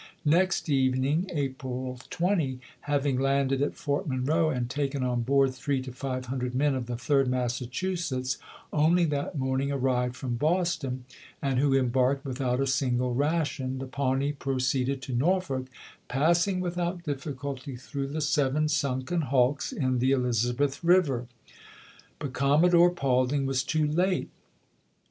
Next evening, April 20, having landed at Fort Monroe and taken on board three to five hundred men of the Third Massachusetts, only that morning arrived from Boston, and who embarked without a single ration, the Pawnee proceeded to Norfolk, passing without difficulty through the seven sunken hulks WASHINGTON IN DANGEK 147 in the Elizabeth River. But Commodore Paulding chap. vn. was too late.